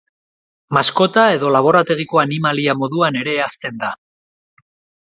Maskota edo laborategiko animalia moduan ere hazten da.